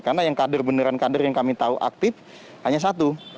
karena yang kader beneran kader yang kami tahu aktif hanya satu